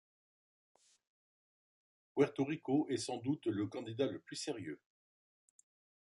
Puerto Rico est sans doute le candidat le plus sérieux.